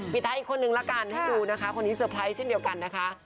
ท้ายอีกคนนึงละกันให้ดูนะคะคนนี้เตอร์ไพรส์เช่นเดียวกันนะคะ